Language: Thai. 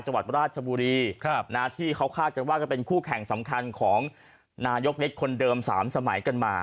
จังหวัดราชบุรีที่เขาคาดกันว่าจะเป็นคู่แข่งสำคัญของนายกเล็กคนเดิม๓สมัยกันมา